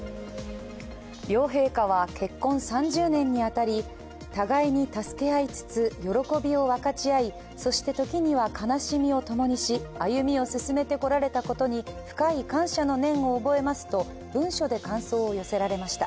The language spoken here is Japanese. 両陛下は結婚３０年に当たり互いに助け合いつつ喜びを分かち合い、そして時には悲しみを共にし歩みを進めてこられたことに深い感謝の念を覚えますと文書で感想を寄せられました。